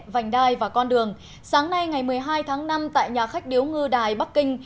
vành đai và con đường sáng nay ngày một mươi hai tháng năm tại nhà khách điếu ngư đài bắc kinh